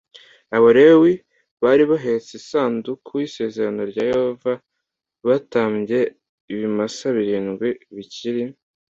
Abalewi bari bahetse isanduku y isezerano rya Yehova batambye ibimasa birindwi bikiri